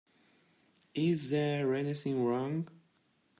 Is there anything wrong?